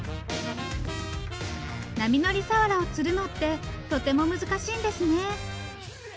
波乗り鰆を釣るのってとても難しいんですね。